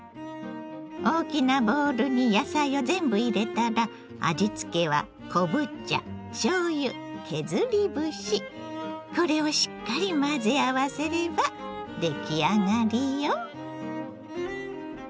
大きなボウルに野菜を全部入れたら味付けはこれをしっかり混ぜ合わせれば出来上がりよ。